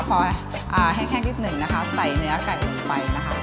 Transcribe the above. ขอให้แค่นึกใส่เนื้อไก่ลงไปนะคะ